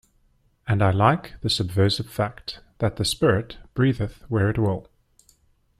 And I like the subversive fact that the spirit breatheth where it will.